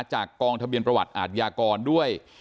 จากกองทะเบียนประวัติอาทยากรด้วย